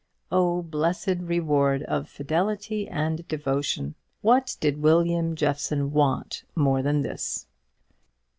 O blessed reward of fidelity and devotion! What did William Jeffson want more than this?